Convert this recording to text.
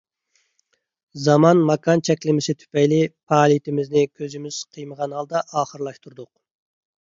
زامان، ماكان چەكلىمىسى تۈپەيلى پائالىيىتىمىزنى كۆزىمىز قىيمىغان ھالدا ئاخىرلاشتۇردۇق.